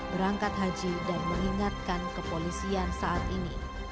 berangkat haji dan mengingatkan kepolisian saat ini